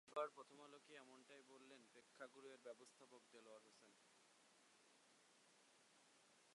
আজ রোববার দুপুরে প্রথম আলোকে এমনটাই বললেন প্রেক্ষাগৃহটির ব্যবস্থাপক দেলোয়ার হোসেন।